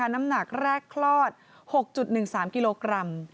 น้ำหนักแรกคลอด๖๑๓กิโลกรัม